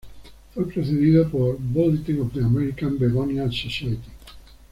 Fue precedido por "Bulletin of the American Begonia Society"